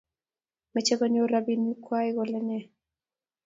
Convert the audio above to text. meche konyor robinikwai kolene?